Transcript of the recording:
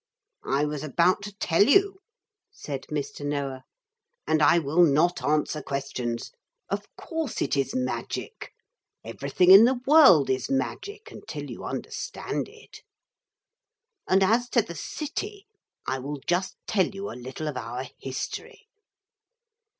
'I was about to tell you,' said Mr. Noah, 'and I will not answer questions. Of course it is magic. Everything in the world is magic, until you understand it. 'And as to the city. I will just tell you a little of our history.